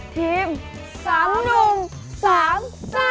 ทีม๓หนุ่ม๓สร้าง